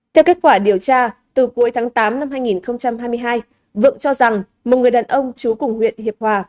theo kết quả điều tra từ cuối tháng tám năm hai nghìn hai mươi hai vượng cho rằng một người đàn ông chú cùng huyện hiệp hòa